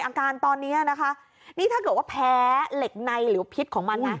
อาการตอนนี้นะคะนี่ถ้าเกิดว่าแพ้เหล็กในหรือพิษของมันนะ